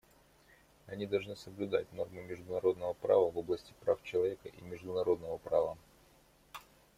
Они должны соблюдать нормы международного права в области прав человека и международного права.